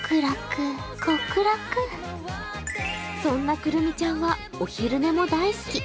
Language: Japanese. そんなくるみちゃんはお昼寝も大好き。